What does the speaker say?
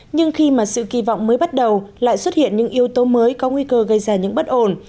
nhưng khi mà sự kỳ vọng mới bắt đầu lại xuất hiện những yếu tố mới có nguy cơ gây ra những bất ổn